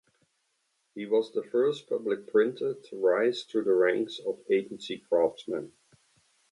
He was the first Public Printer to rise through the ranks of agency craftsmen.